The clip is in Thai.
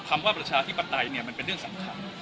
คำว่าประชาภิปตัยเนี่ยมันเป็นเรื่องสำคัญ